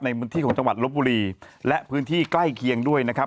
ในพื้นที่ของจังหวัดลบบุรีและพื้นที่ใกล้เคียงด้วยนะครับ